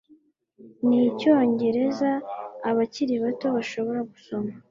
n'Icyongereza abakiri bato bashobora gusoma